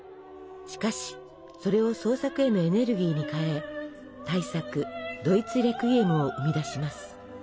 しかしそれを創作へのエネルギーに変え大作「ドイツレクイエム」を生み出します。